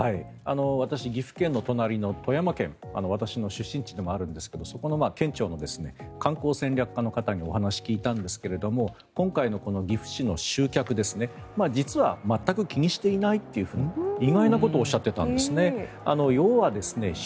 私、岐阜県の隣の富山県が出身地なんですがそこの県庁の観光戦略課の方にお話を聞いたんですけども今回の岐阜市の集客について実は全く気にしていないと意外なことをおっしゃっていたんですね。